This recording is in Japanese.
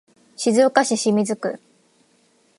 静岡市清水区